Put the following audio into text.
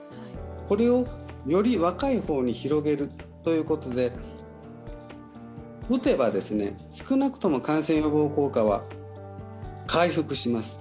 これをより若い方に広げるということで、打てば少なくとも感染予防効果は回復します。